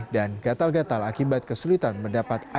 dan gatal gatal akibat kesulitan mendapat alat